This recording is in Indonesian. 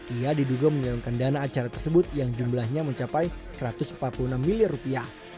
ia diduga menyalurkan dana acara tersebut yang jumlahnya mencapai satu ratus empat puluh enam miliar rupiah